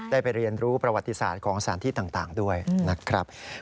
ไปเรียนรู้ประวัติศาสตร์ของสถานที่ต่างด้วยนะครับ